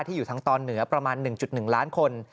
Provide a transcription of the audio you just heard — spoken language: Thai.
อยู่ทางตอนเหนือประมาณ๑๑ล้านคน